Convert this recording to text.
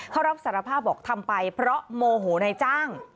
เขารับสารภาพบอกทำไปเพราะโมโหนายจ้าง